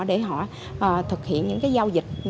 để họ thực hiện những giao dịch